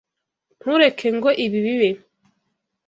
Ntureke ngo ibi bibe.